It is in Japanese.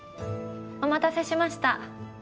・お待たせしました。